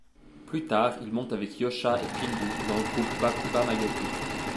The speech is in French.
Plus tard, il monte avec Yosha et Pindu leur groupe, Bakuba Mayopi.